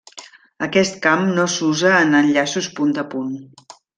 Aquest camp no s'usa en enllaços punt a punt.